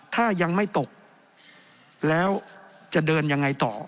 ถ้ายังไม่ตกแล้วจะเดินยังไงต่อ